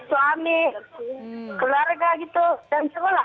suami keluarga gitu dan sekolah